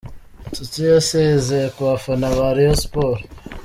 Nshuti yasezeye ku bafana ba Rayon Sports.